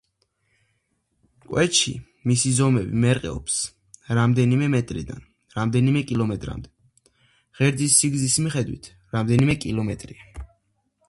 კვეთში მისი ზომები მერყეობს რამდენიმე მეტრიდან, რამდენიმე კილომეტრამდე; ღერძის სიგრძის მიხედვით რამდენიმე კილომეტრია.